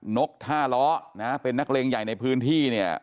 นกท่าล้อนะเป็นนักเลงใหญ่ในพื้นที่เนี่ย